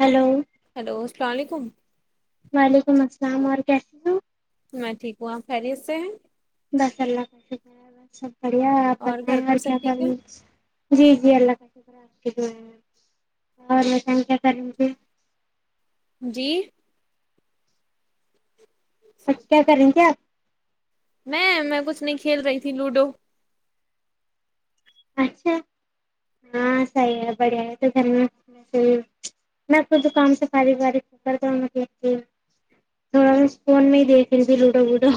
hello hello السلام علیکم وعلیکم السلام اور کیسے ہو میں ٹھیک ہوں آ پ خیریت سے بس اللہ کا شکر آ بس بڑھیا آپ گھر بتائیں پر اور سب کیا کر ٹھیک ہے جی جی اللہ کا اور بتاتے کیا کر رھی ھیں جی اچھا کیا کریں تھے آپ میں میں کچھ نہیں کھیل رہی تھی لوڈو اچھا ہاں صحیح ہے بڑھیا ہے تو گھر میں میں دکام سے فار و کرتا ہوں تھڑا فون میں ہی دیکھ رہ ت لوڈو وڈو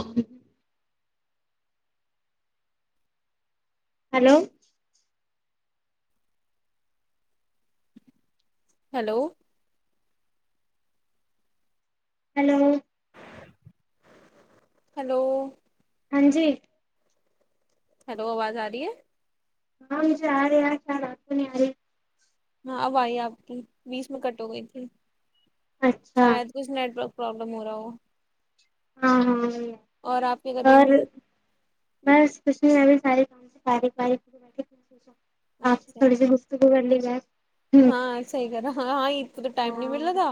ہلو ہیلو ہلو ہلو ہاں جی ہیلو آواز آ رہی ہے ہاں مجھے آ رہے آ خیال آپ کو نہیں آ رہے ہاں آبائی آپ کی بیس میں کٹ ہو گئی تھی اچھا شاید کچھ نیٹک پرابلم ہو رہا ہو وہ ہاں ہاں کر رہی اور تھی بس کوچھ نہیں ہے بھی ساری [inaudible] آپ سے اچھا تھوڑی سی گس کو کرنے ج ہاں صحی کر رہا ہ ہاں ا کو تو ٹائم نہیں ہاں ملتا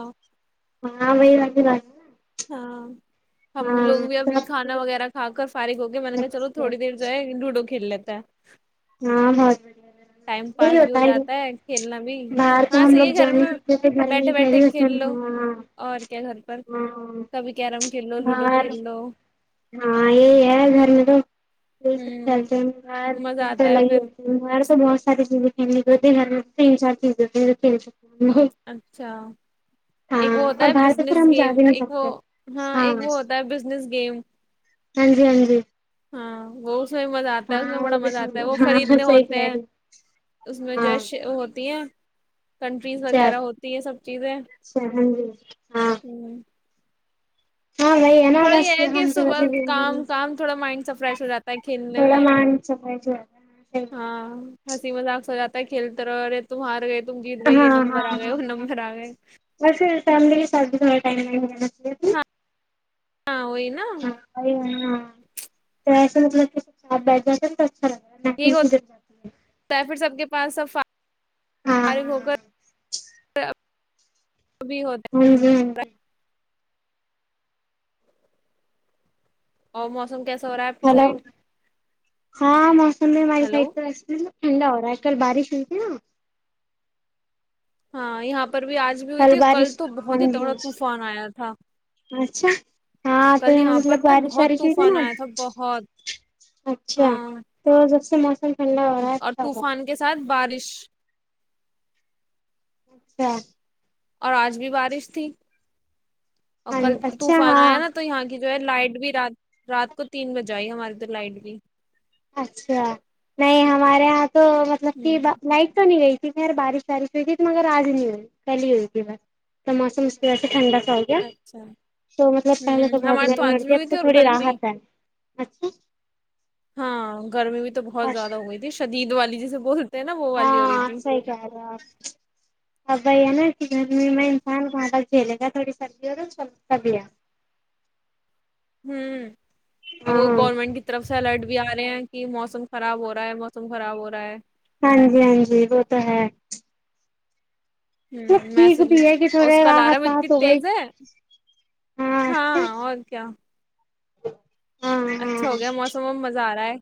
ہاں وہی والی بات ہے نا ہاں ہم لوگ ہاں بھی اب سب کھانا وغیرہ کھا کر فارغ ہو کے میں نے کہا چلو اچھا، تھوڑی دیر جو ہے لوڈو کی ک لی تھا ہاں بہت بڑ ٹائم یہی پاس بھی ہوتا ہو ہے جاتا کھیلنا بھی باہر تو ہاں ہم صحیح لوگ ہے جا گھر نہیں میں سکتے گھر بیٹھے میں بیٹھے کھیل لو اور کیا گھر پر ہاں کبھی کیرم کھیل لو لوڈو باہر کھیل لو ہاں یہ ہے گھرم تو یہ سب ہوں کھیلتے ہیںار مزہ تو آتا ہے الگ ہی پھر ہوتےار تو بہت ساری چیزیں تو د تین چار چین ج تین چار اچھا ایک وہ ہاں ہوتا اور ہے باہر تو پھر بزنس ہم جا گیم بھی نہیں ایک وہ سکتے ہاں ایک وہ ہوتا ہے بزنس گیم ہاں جی ہاں جی ہاں بت اس میں مزہ آتا ہے اس میں بڑا مزہ آتا ہے وہ ہاں ہاں خریدنے صحیح ہوتے کہہ ہیں رہی اس میں جو ہاں ہے ہوتی ہیں کنٹریز اچھا وغیرہ ہوتی ہے سب چیزیں اچھا ہاں جی ہاں ہ ہاں وہی ہے نا تھوڑا بس یہ ہے کہ ہم تو ویسے صبح بھی کام کام تھوڑا مائنڈ سا فریش ہو جاتا ہے کھیلنے تھوڑا میں مان سفائی سے ہاں ہسی مزاگ س جاتتاا کھیلترارے توم مارگئی ہاں ہاں ہاں ہاں بس فملی کے سات [inaudible] سکال ہو ہاں ہاں وہی نا یہی ہاں تو ایسا مل س ب یہ ہوتاتا پھر سب کے پ سفا ہاں فارغ ہاں ہو کر ہاں وہ بھی ہوتا جی ہاں ہ جی اور موسم کیسے ہلو ہاں موسمبی مارے ساہ ہیلو تو ٹھنڈا ہو رہا ہے کل بارش ہوئی تھی نا ہاں یہاں پر بھی آج بھی ہوئی تھی کل تو بہت ہی تھگڑا طوفان آیا تھا اچھا ہاں تو کل یہاں مطلب پر تو بارش بہت وارش ہوئی تھی طوفان نا آیا تھا بہت اچھا ہاں تو جب موسم ٹھنڈا ہو رہا ہے اور اچھا ہو طوفان کے ساتھ بارش [inaudible] اچھا اور آج بھی بارش تھی اور کل اچھا اچھا طوفان ہاں آیا نا تو یہاں کی جو ہے لائٹ بھی رات رات کو تین بجے آئی ہماری تو لائٹ بھی اچھا نہیں ہمارے یہاں تو مطلب کہ ہوں لائٹ تو نہیں گئی ار بارش وارش ہوئی تھی تو مگر آج نہیں ہوئی کل ہی ہوئی تھی بس تو موسم اس کی وجہ سے ٹھنڈا ہو گیا اچھا ہوں تو مطلب پہلے تو ہمارے بن میں آج بھی لتی اب ہوئی تھی سے اور تھوڑی کل بھی راحت ہے اچھا ہاں گرمی بھی تو بہت زیادہ ہوئی شدید والی جیسے بہت ہاں صحیح کہہ رہے ہو اپ ہاں وہی ہے نا گرمی میں انسان کل کھیلے گا تھوڑی سبزی ہو تو سب سبیا گورنمنٹ کی طرف سے الرٹ بھی ا رہے ہیں کہ موسم خراب ہو رہا ہے موسم خراب ہو رہا ہے ہاں جی ہاں جی وہ تو ہے ہ تو ٹھیک مس بھی ہے کہ تھوڑے اس کا راحت لارا بھی پاحت اتنی ہو گئی تیز ہے ہاں اور کیا ہاں ہاں اچھا ہو گیا موسم مزہ آ رہا ہے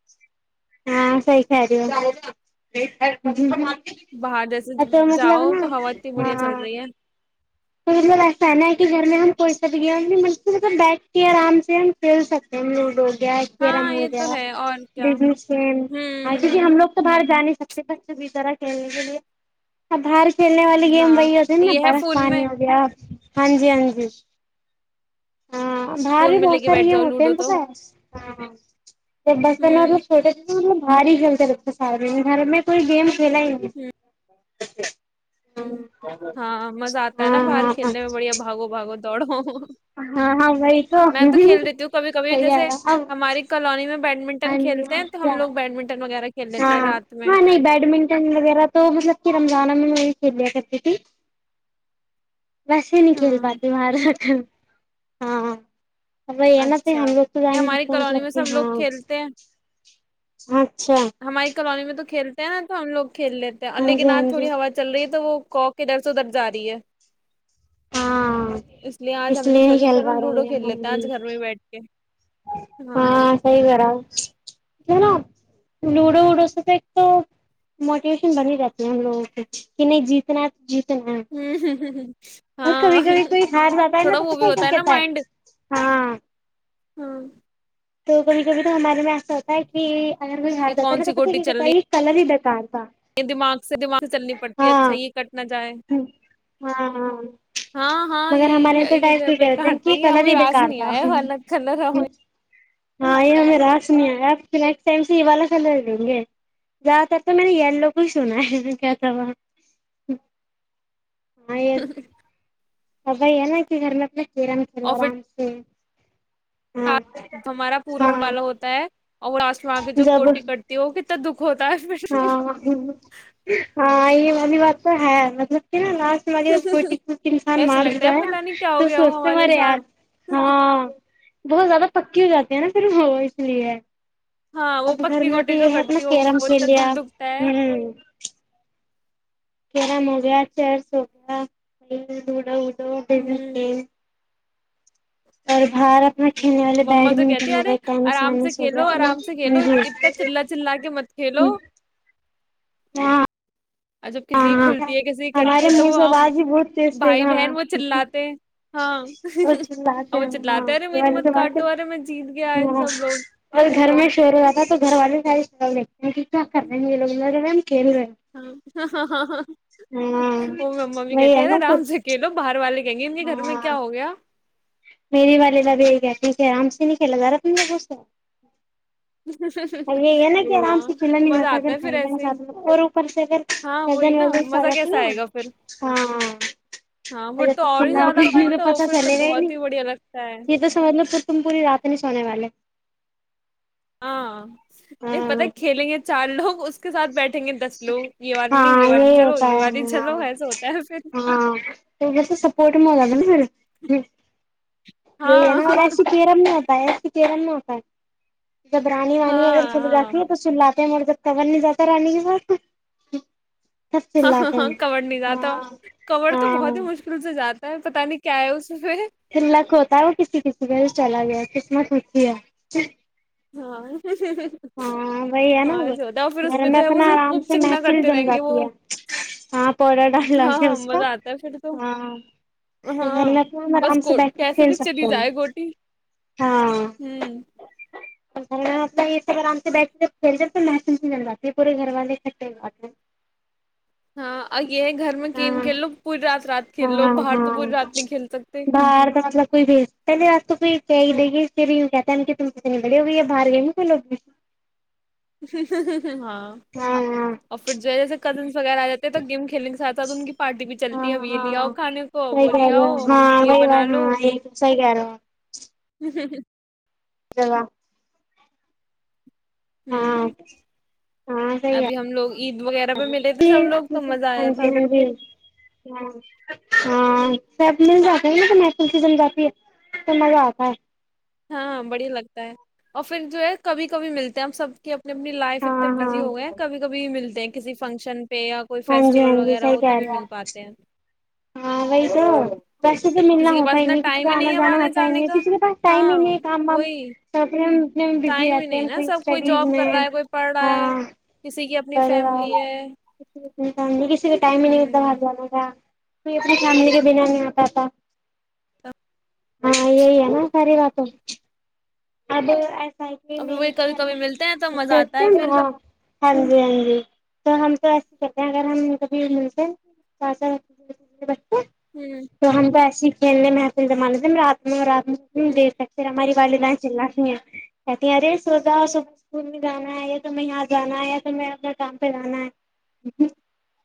ہاں صحیح کہہ رہی ہو باہر جیسے تو مطلب جاؤ نا تو ہوا اتنی بڑھیا چل ہاں رہی ہے تو مطلب ایسا نا ہے کہ گھر میں ہم کوئی سا بھی گیم نہیں ب مطلب بیٹھ کے آرام سے ہم کھیل سکتے ہیں لوڈو گیا کیرم ہاں ہو یہ تو گیا ہے اور کیا بین ہوں ہ کیکہ ہوں ہم لوگ تو باہر جان ستے بچوں بھی طرح کھیلنے کے لیے ا بار کھیلنے والی گیم ہاں وہی ہوتی یہ ہے نابرا فون پانی میں ہو گیا ہاں جی ہاں جی ہاں باہر بھی فون میں لے بہت کے سارے بیٹھ یہ جاؤ ہوتے ہیں لوڈو تو بتا ہاں ہاں تو بسنا ہوں چھوٹا چ ب ہی کھیلتے لگتے سارے گھر میں کوئی گیم کھیلا ہی نہیں ہ ہاں مزہ آتا ہے نا ہاں باہر ہاں ہاں کلنے میں بڑھیا باگو باگو توڑوں ہاں ہاں وہی تو لیتی ہوں کبھی کبھی جیسے ہماری کالونی میں بیڈمنٹن کھیل ہیں تو ہم کیا لگ بیڈمنٹ وغیرہ کے ہاں ہاں نہیں بیڈمنٹن وغیرہ تو مطلب کہ رمضان کو چلیا کرتی ت ویسے نہیں کھیل ہاں پاتی باہر ہاں ا بھائی ہے نا پ ہم اچھا لوگ تو جان نہیں ہماری سکتے ہیں کالونی مطلب میں کہ سب لوگ ہاں کھیلتے ہیں اچھا ہماری کالونی میں تو کھیلتے ہیں نا تو ہم لوگ کھیل لیتے ہیں ہاں جی لیکن آج ہاں جی تھوڑی ہوا چل رہی ہے تو وہ کوک کدھر سے ادھر جا رہی ہے ہاں اس لیے آج ہم نے نہیں سوچا کھیل چل پا رہے لوڈو گے کھیل ہم لیتے ہیں بھی آج گھر میں ہی بیٹھ کے ہاں سی کرانا جی لوڑو اڑو س تو ایک تو موٹیویشن بنی رہتی ہے ہم لوگوں کی کہ نہیں جیتنا جیتنا ہے ہوں ہ ہ ہ اور کبھی کبھی کوئی ہار جاتا ہے نا تو وہ بھی پ ہوتا نا کہتا ہے مائنڈ ہاں ہاں تو کبھی کبھی تو ہمارے میں ایسا ہوتا ہے کہ اگر کہ کون سی گوٹی چلنی ہار یہ کلر تال [unintelligible] دماغ سے دماغ چلنی پڑتی ہے ہاں اچھا یہ کٹ نہ جائے ہاں ہاں ہاں ہاں مگر یہ ہمارے یہ یہاں تو ٹائ جو کہ ہے یہ بیکار تھا یہ غلط ہمیں ہی راس بیکار نہیں تھا آیا ورنہ کلر ہمیں ہاں یہ ہمیں راس نہیں آیا [unintelligible] زیادہ تر تو میں نے یلو کو ہی سنا ہے کیا تھا وہ ہاں [unintelligible] کے گھر م اپے ج رم کر اور پھر آرام سے ہاں ہمارا پورا ہونے ہاں والا ہوتا ہے اور لاسٹ میں آ کے جو جب کوٹی کٹتی ہے وہ کتنا دکھ ہوتا ہے پھر ہاں ہاں یہ امی بات تو ہے مطلب [unintelligible] انسان ایسے لگتا مارتا ہے نا پتا نہیں کیا ہو تو گیا وہ سوچتے ہمارے مارے ار ساتھ ہاں بہت زیادہ پکی ہو جاتی ہے نا پھرف وہ اس لیے ہاں وہ اب گھر پکی میں تو گوٹیے یہ جو ہے اپنا کرتی وہ کیرم وہ کھیل اتنا لیا دل دکھتا ہے کیرم ہو گیا چیرس ہوگیا دڑا ا ہوں [unintelligible] اور [unintelligible] کھیلنے والے ما تو بیڈمنٹن کہتی ہو ارے گئے ٹینس آرام سے وینس ہو کھیلو گیا آرام جی سے کھیلو اتنا چلا چلا کے مت کھیلو ہاں اور جب کسی کی ہاں کھلتی ہے کسی کی کتی ہمارے ہے تو منہ وہ سے ہم آواز ہی بہت تیز تیز بھائی بہن ہاں وہ چلاتے ہاں چلاتے اور وہ ہیں ہاں چلاتے ارے یہ میری والی مت تو بات کاٹو ارے میں جیت گیا ہے ہاں سب لوگ اور گھر میں شور ہو جاتا ہے تو گھر والے سارے [unintelligible] ہاں ہاں ہاں ہاں وہ مما بھی وھی کہتی ھے ہے ارے نا وہ آرام سے کھیلو باہر والے کے کہیں گے ک گھر میں کیا ہو گیا میری والے ل بھی گیا ٹھیک ہے آرام سے نہیں کھیلا جا رہا تم دو سے یہ ہے نا کہ آرام سے ہاں چلا نہیں مزہ جاتا آتا ہے پھر ایسے ہی اگر اور اوپر سے ہاں وہی ازن نا وزن سے آ مزہ جاتی کیسا آئے گا پھر ہیں ہاں پھر تو اور ہی زیادہ پھر ہاں تو پتا پھر تو چلے گا ہی بہت نہیں بڑھیا لگتا ہے یہ تو س مجلو تم پوری رات نہیں سونے والے ہاں نہیں پت ہاں کھیلیں گے چار لوگ اس کے سھ بیٹھے ہاں یہ ہے والی چلو ہ ایسا ہوتا ہے پھر ہاں تو بس سپورٹ م [unintelligible] وہی ہے ہاں نا اور ایسے کییرم نہیں ہوتا ہے ترن میں ہوتا ہے جب رانی وانی اگر ہاں چل ہاں جاتی ہے تو سات ہیں مر جب کب نہیں جاتا رانی کی ب ہاں ہاں ہاں ہیں کور نہیں جاتا ہاں کورڑ تو بہت ہاں ہی مشکل سے جاتا پتاہ نہیں کیا ہے اس پہ تن لک ہوتا ہے وہ کسی کسی گ چلا گیا تھا خسمس رکھی ہے ہاں ہاں وہی ہے نا ہاں وہ ایسے ہوتا ہے اور پھر گھر اس پہ میں جو ہے وہ اپنا اسے آرام خوب سے چکنا محفل کرتے جم رہیں گے جاتی وہ ہے ہاں پاڈر ڈال ہاں ڈے ہاں اس کا مزہ آتا ہے پھر تو ہاں گھر میں ہاں اپنا آرام بس سے کو بیٹھ کے کیسے کھیل بھی سکتے چلی ہیں جائے گوٹی ہاں ہوں [inaudible] ب آرام سے بیٹھ کے کھیلتے تو محسوس ہی مل جاتی پورے گھر والے اکٹھے ہواتے ہیں ہاں آ یہ ہے گھر میں گم ہاں کھیل لو پوری رات رات کھیل لو ہاں باہر تو پوری ہاں رات نہیں کھیل سکتے چ د پھر بھی ی کہتے ہے کہ تم کتنے بڑے ہو گییا باہر گئے ن کوئی لوگ بھی ا ہاں اور پھر جو جا سکتے ک وغیرہ آ جاتے تو گیم کھیلنے کے ساتھ ساتھ ان کی پارٹی بھی ہاں چلتی ہے اب یہ ہاں لے آؤ ہاں کھانے کو صحیح وہ کہہ لے رہے آؤ ہو ہاں یہ وہی بنا بات لو ہاں ایک صحیح کہہ رہے چا ہوں ہاں ہاں سی ہے ابھی ہم لوگ عید وغیرہ پہ ملے تھے سب لوگ تو مزہ ہاں آیا جی تھا ہاں ج ہاں ہاں سب مل جاتے ہیں ن تو محل س جم جاتی ہے تو مزہ آتا ہے ہاں بڑھیا لگتا ہے اور پھر جو ہے کبھی کبھی ملتے ہیں ہم سب کے اپنی لائف اتنے ہاں ہاں بزی ہو گئے ہیں کبھی کبھی مل کسی فنکشن پہ یا کوئی ہاں جی ہاں فیسٹیول جی وغیرہ صحیح ہو کہہ رہے توبھی آپ مل پاتے ہیں ہاں وہی تو پیسے سے ملنا کسی کے ہوتا پاس ہی اتنا نہیں کسی کو ٹائم ہی آنا ہے جانا آنے ہوتا ہی جانے نہیں کا کسی کے پاس ٹائم ہاں نہیں کام ہ وہی اتنے ہم بزی ٹائم ہی رہتے ہیں نہیں کو نا سب کوئی اسٹڈیز جاب میں کر رہا ہے کوئی پڑھ رہا ہے ہاں کسی کی یک اپنی فیملی ہے ٹائم نہیں ب ہ جانا گا کو اپنی فیملی کے بنا نہیں آتا تھا ہاں یہ ن ساری رات ہاں اب م بھی ا ابھی وہی اے کبھی کبھی ملتے ہیں تو مزہ آتا ہے پھر ہاں جی ہاں جی تو ہم تو ایسے کرتے ہیں اگر ہم کبھی ملتے ہ تون تو آسی کھیلنے محس سے مان د رات ن رات ہ دیر تک پھر ہماری وال لائ چ کہتی ہیں ارے سوتا صبح اسکول میں جانا ہے یا تو یہاں جانا ہے یا توھر میں اپنے کام پہ جانا ہے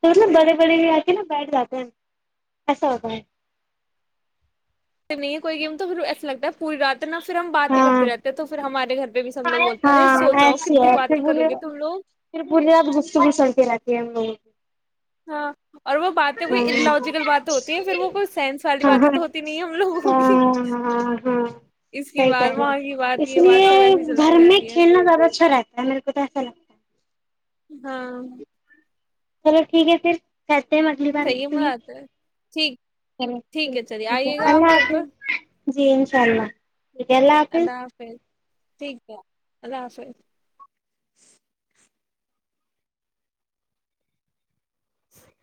تولب بڑے بڑے بھی آ کے نا بیٹھ جاتے ہیں ایسا ہوتا ہے کوئی گیم تو پھر ایسا لگتا ہے پوری رات اتنا پھر ہم باتیں ہاں کرتے رہتے تو پھر ہمارے گھر پہ بھی س ہم لوگ بولتے ہیں ارے ہاں سوچاؤ ایسی کتنی ہے پھر باتیں کرو بولے گے تم پھر لوگ ٹی ہاں اور وہ باتیں ہاں کوئی اللاجیکل ہاں باتیں ہوتی ہیں پھر وہ کوئی سائنس والی ہاں باتیں ہ تو ہوتی نہیں ہے ہم لوگوں کی ہاں ہاں اس کی صحی بات کہہ رہے وہاں کی بات اس یہ لیے بات سب ایسی گھر چلتی میں رہتی ہے کھیلنا زیادہ اچھا رہتا ہے میرے کو تو ایسا لگتا ہے ہاں چلو ٹھیک ہے پھر کہتے ہیں اگلی بارھ صحیح ہے مزہ ٹھیک آتا ہے ٹھیک ہے ٹھیک چلیے آئیے گا آپ اللہ گھر پر حافظ جی انشاء اللہ ٹھیک ہے اللہ حافظ ٹھیک ہے اللہ حافظ ج